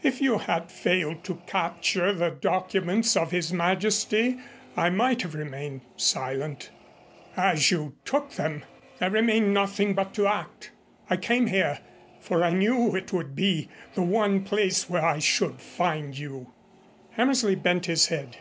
If you had failed to capture the documents of His Majesty, I might have remained silent. As you took them, there remained nothing but to act. I came here, for I knew it would be the one place where I should find you." Hammersley bent his head.